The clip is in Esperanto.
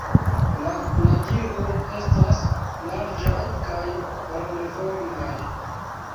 La naĝiloj estas larĝaj kaj rondoformaj.